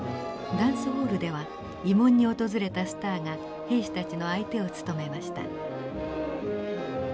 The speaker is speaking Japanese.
ダンスホールでは慰問に訪れたスターが兵士たちの相手を務めました。